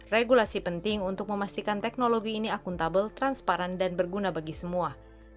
regulasi penting untuk memastikan teknologi ini akuntabel transparan dan berguna bagi semua